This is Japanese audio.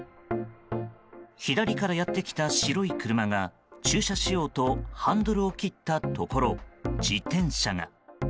左からやってきた白い車が駐車しようとハンドルを切ったところ自転車が。